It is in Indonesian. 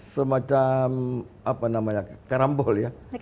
semacam apa namanya karambol ya